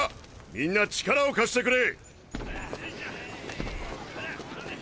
みんな力を貸してくれ。